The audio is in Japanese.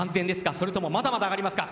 それともまだまだ上がりますか？